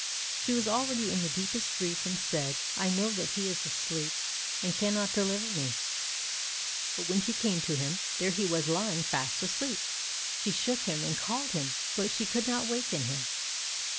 She was already in the deepest grief, and said, "I know that he is asleep and cannot deliver me." When she came to him, there he was lying fast asleep. She shook him and called him, but she could not waken him.